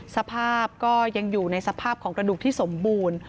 สภาพก็ยังอยู่ในสภาพของกระดูกที่สมบูรณ์